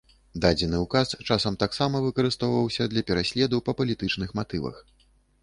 Дадзены указ часам таксама выкарыстоўваўся для пераследу па палітычных матывах.